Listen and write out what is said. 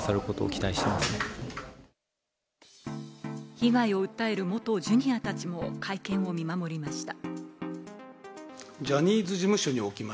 被害を訴える元Ｊｒ．たちも会見を見守りました。